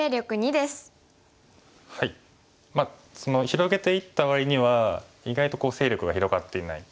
広げていった割には意外と勢力が広がっていない。